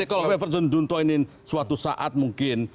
kalau everton junto ini suatu saat mungkin